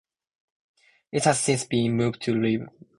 It has since been moved to live.